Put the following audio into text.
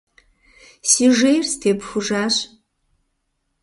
Си жейр степхужащ.